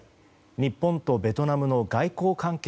日本とベトナムの外交関係